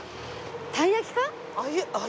たい焼きか？